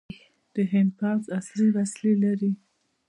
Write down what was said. د هند پوځ عصري وسلې لري.